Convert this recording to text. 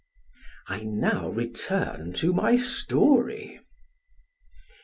I now return to my story.